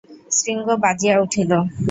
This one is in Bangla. শৃঙ্গ বাজিয়া উঠিল।